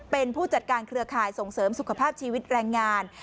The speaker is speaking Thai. เป็นผู้จัดการเครือข่ายส่งเสริมสุขภาพชีวิตแรงงาน